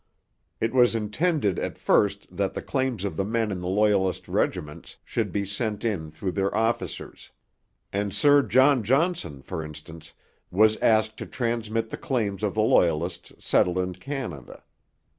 It was intended at first that the claims of the men in the Loyalist regiments should be sent in through their officers; and Sir John Johnson, for instance, was asked to transmit the claims of the Loyalists settled in Canada.